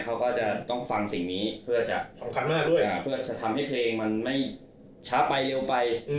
เขาก็จะต้องฟังสิ่งนี้เพื่อที่จะทำให้เพลงไม่ช้าไปเร็วไป